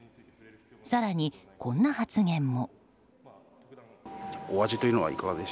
更に、こんな発言も。